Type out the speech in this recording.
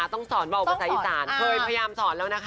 ต้องสอนบอกภาษาอีสานเคยพยายามสอนแล้วนะคะ